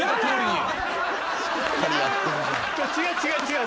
違う違う違う。